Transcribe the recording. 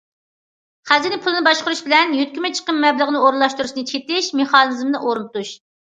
خەزىنە پۇلىنى باشقۇرۇش بىلەن يۆتكىمە چىقىم مەبلىغىنى ئورۇنلاشتۇرۇشنى چېتىش مېخانىزمىنى ئورنىتىش.